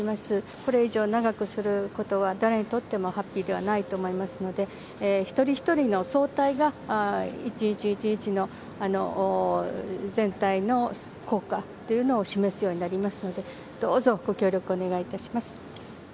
これ以上長くすることは、誰にとってもハッピーではないと思いますので、一人一人の総体が、一日一日の全体の効果というのを示すようになりますので、どうぞご協力をお願いいたします。